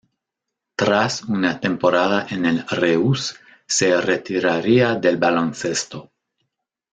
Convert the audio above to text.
Tras una temporada en el Reus, se retiraría del baloncesto.